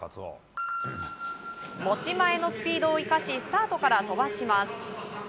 持ち前のスピードを生かしスタートから飛ばします。